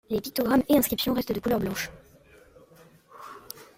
Les pictogrammes et inscriptions restent de couleur blanche.